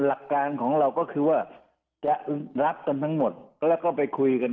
หลักการของเราก็คือว่าจะรับกันทั้งหมดแล้วก็ไปคุยกัน